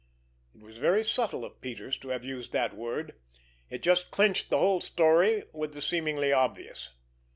It was very subtle of Peters to have used that word—it just clinched the whole story with the seemingly obvious.